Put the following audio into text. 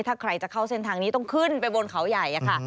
ถ้าใครจะเข้าเส้นทางนี้ต้องขึ้นไปบนเขาใหญ่ค่ะ